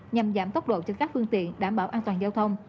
nhằm giảm tốc độ cho các phương tiện đảm bảo an toàn giao thông